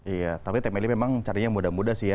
iya tapi teh meli memang carinya mudah mudah sih ya